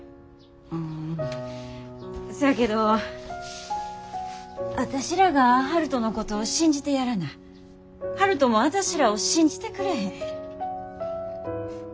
うんそやけど私らが悠人のこと信じてやらな悠人も私らを信じてくれへん。